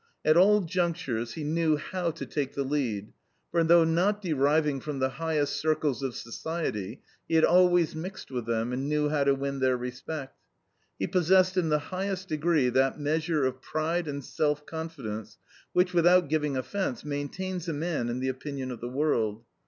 At all junctures he knew how to take the lead, for, though not deriving from the highest circles of society, he had always mixed with them, and knew how to win their respect. He possessed in the highest degree that measure of pride and self confidence which, without giving offence, maintains a man in the opinion of the world.